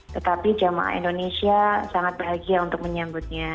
tetapi jamaah indonesia sangat bahagia untuk menyambutnya